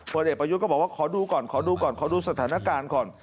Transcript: ผลเอกประยุทธ์ก็บอกว่าขอดูซัฐนการสก่อน